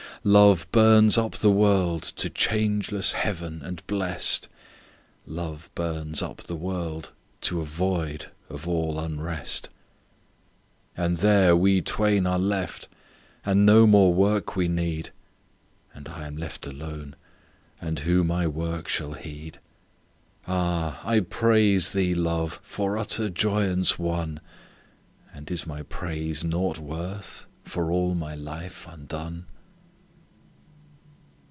Love burns up the world to changeless heaven and blest, "Love burns up the world to a void of all unrest." And there we twain are left, and no more work we need: "And I am left alone, and who my work shall heed?" Ah! I praise thee, Love, for utter joyance won! "And is my praise nought worth for all my life undone?"